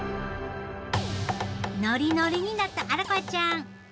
ノリノリになった荒川ちゃん。